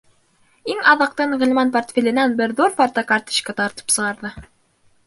Иң аҙаҡтан Ғилман портфеленән бер ҙур фотокарточка тартып сығарҙы.